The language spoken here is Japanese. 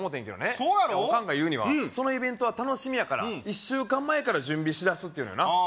そうやろオカンが言うにはそのイベントは楽しみやから１週間前から準備しだすって言うのよなあ